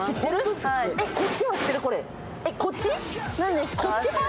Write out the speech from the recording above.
こっち派？